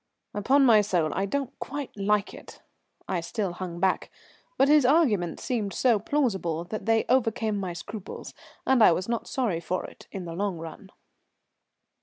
"Upon my soul, I don't quite like it." I still hung back, but his arguments seemed so plausible that they overcame my scruples, and I was not sorry for it in the long run.